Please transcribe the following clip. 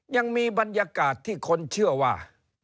ยังมีบรรยากาศที่คนเชื่อว่า